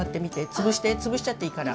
潰して潰しちゃっていいから。